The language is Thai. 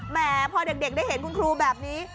แหมพอเด็กได้เห็นคุณครูแบบนี้